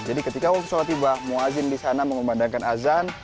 jadi ketika waktu sholat tiba muazzin disana memperbandangkan azan